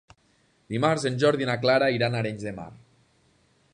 Dimarts en Jordi i na Clara iran a Arenys de Mar.